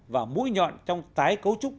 và mũi nhọn trong tái cấu trúc